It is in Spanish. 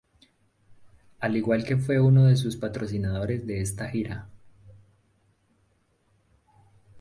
Al igual que fue uno de sus patrocinadores de esta gira.